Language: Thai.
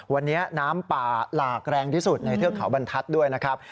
วันนี้น้ำป่าหลากแรงที่สุดในเทือกเขาบรรทัศน์ด้วยนะครับ